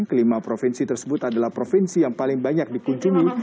kelima provinsi tersebut adalah provinsi yang paling banyak dikunjungi